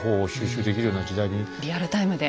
リアルタイムで。